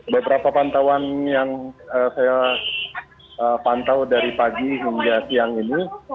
beberapa pantauan yang saya pantau dari pagi hingga siang ini